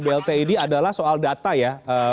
bltid adalah soal data ya